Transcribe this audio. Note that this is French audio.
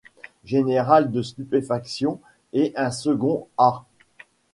général de stupéfaction, et un second « ah!